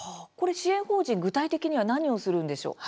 支援法人、具体的には何をするんでしょうか。